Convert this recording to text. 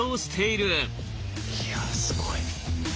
いやすごい。